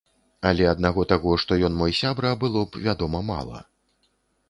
Але аднаго таго, што ён мой сябра, было б, вядома, мала.